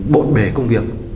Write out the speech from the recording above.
bộn bề công việc